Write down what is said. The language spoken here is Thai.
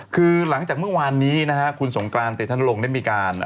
คือหลังจากเมื่อวานนี้นะฮะคุณสงกรานเตชนรงค์ได้มีการ